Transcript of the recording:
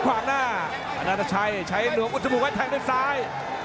ขวางหน้าอนาทชัยใช้หลวงอุทมุกไว้แทงด้วยซ้าย